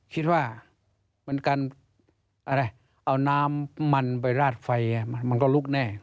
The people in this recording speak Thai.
คิดว่าเป็นการอะไรเอาน้ำมันไปราดไฟมันก็ลุกแน่